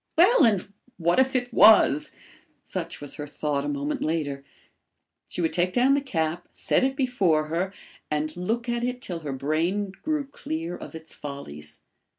Well, and what if it was! Such was her thought a moment later. She would take down the cap, set it before her and look at it till her brain grew clear of its follies.